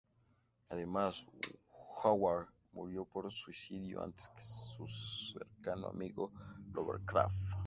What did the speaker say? Además, Howard murió por suicidio antes que su cercano amigo Lovecraft.